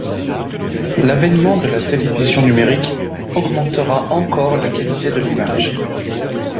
L'avènement de la télévision numérique, augmentera encore la qualité de l'image.